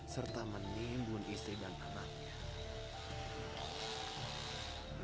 serta menimbun istri dan anaknya